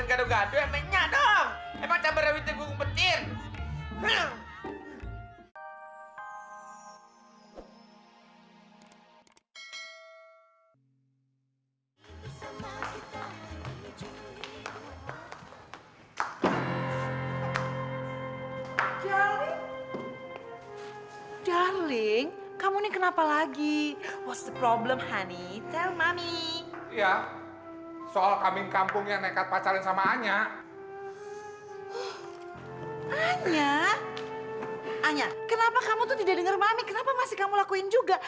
kamu tuh tidak denger mami kenapa masih kamu lakuin juga